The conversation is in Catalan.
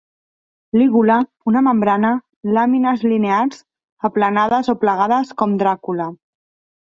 Lígula una membrana; làmines linears, aplanades o plegades, com Dràcula.